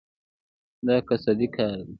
دا قصدي کار دی.